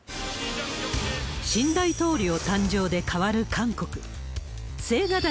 新大統領誕生で変わる韓国。